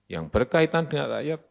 yang berkaitan dengan rakyat